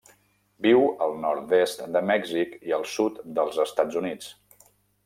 Viu al nord-est de Mèxic i el sud dels Estats Units.